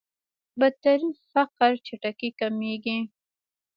بدترين فقر چټکۍ کمېږي.